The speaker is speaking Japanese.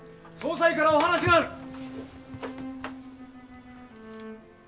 総裁からお話がある。